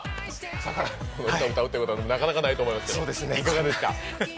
朝から歌うってことはなかなかないと思いますが、いかがですか？